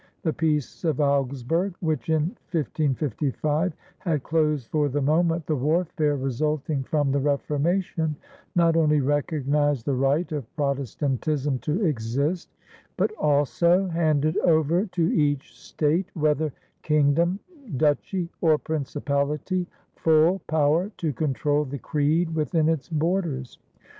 The Peace of Augsburg, which in 1555 had closed for the moment the warfare resulting from the Reformation, not only recognized the right of Protestantism to exist, but also handed over to each state, whether kingdom, duchy, or principality, full power to control the creed within its borders.